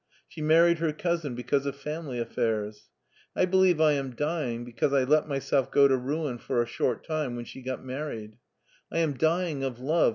She married her cousin because of family affairs. I believe I am dying because I let myself go to ruin for a short time when she got married. I am dying of love.